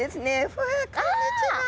ふわこんにちは！